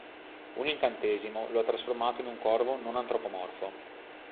Un incantesimo lo ha trasformato in un corvo non-antropomorfo.